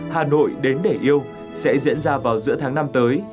hà nội đến để yêu sẽ diễn ra vào giữa tháng năm tới